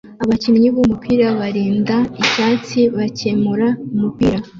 Abakinnyi b'umupira barinda icyatsi bakemura umupira